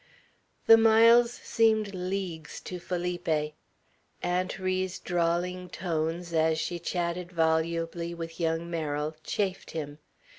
The miles seemed leagues to Felipe. Aunt Ri's drawling tones, as she chatted volubly with young Merrill, chafed him.